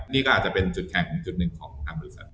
นี่ก็อาจจะเป็นจุดแข่งจุดหนึ่งของคุณธรรมดิสัตว์